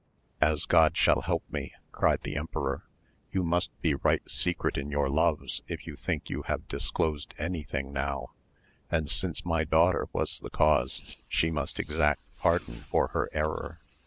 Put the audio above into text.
As God shall help me, cried the emperor, you must be right secret in your loves if you think you have dis closed any thing now, and since my daughter was the cause she must exact pardon for her error.